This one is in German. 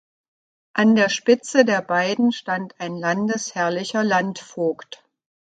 An der Spitze der beiden stand ein landesherrlicher Landvogt.